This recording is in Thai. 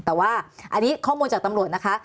แต่ว่าอันนี้ข้อมูลจากตำรวจนะคะ